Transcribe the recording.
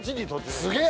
すげえ！